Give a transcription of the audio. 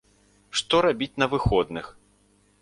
Што рабіць на выходных?